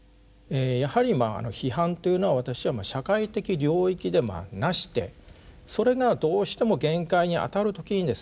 やはり批判というのは私は社会的領域でなしてそれがどうしても限界にあたる時にですね